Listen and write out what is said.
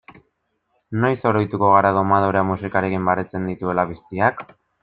Noiz oroituko gara domadoreak musikarekin baretzen dituela piztiak?